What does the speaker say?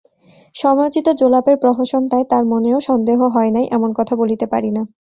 সময়োচিত জোলাপের প্রহসনটায় তার মনেও সন্দেহ হয় নাই, এমন কথা বলিতে পারি না।